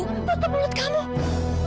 tutup mulut kamu